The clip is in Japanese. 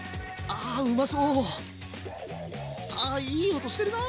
あいい音してるな。